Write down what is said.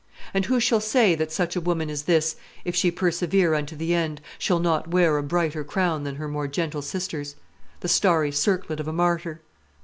And who shall say that such a woman as this, if she persevere unto the end, shall not wear a brighter crown than her more gentle sisters, the starry circlet of a martyr?